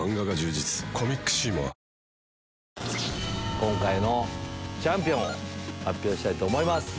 今回のチャンピオンを発表したいと思います。